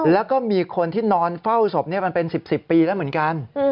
แล้วก็มีคนที่นอนเฝ้าศพมาเป็น๑๐ปีแล้วเหมือนกัน